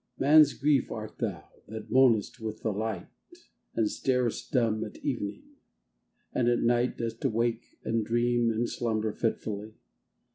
Man's Grief art thou, that moanest with the light, And starest dumb at evening — and at night Dost wake and dream and slumber fitfully